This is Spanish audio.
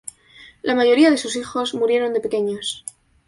La mayoría de sus hijos murieron de pequeños.